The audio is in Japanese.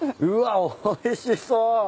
うわおいしそう。